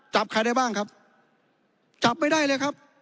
จับใครได้บ้างครับจับไม่ได้เลยครับ